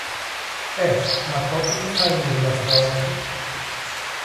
Ε, μα τότε δε θα είναι η γλάστρα όμορφη!